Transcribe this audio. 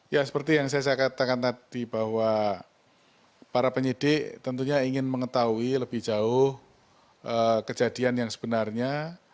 ya seperti yang saya katakan tadi bahwa para penyidik tentunya ingin mengetahui lebih jauh kejadian yang sebenarnya